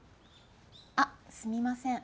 あっすみません。